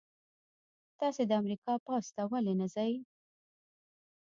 تاسې د امریکا پوځ ته ولې نه ځئ؟